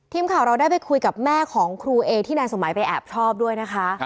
ทีมข่าวเราได้ไปคุยกับแม่ของครูเอที่นายสมัยไปแอบชอบด้วยนะคะ